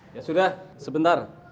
ya sudah sebentar